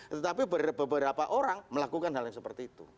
tetapi beberapa orang melakukan hal yang seperti itu